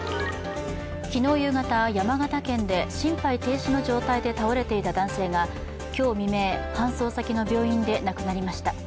昨日夕方、山形県で心肺停止の状態で倒れていた男性が今日未明、搬送先の病院で亡くなりました。